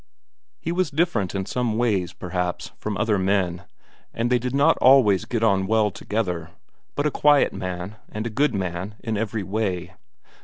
He was different in some ways, perhaps, from other men, and they did not always get on well together, but a quiet man, and a good man in every way.